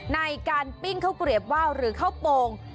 ในการปิ้งข้าวเกลียบว่าวหรือข้าวโป่ง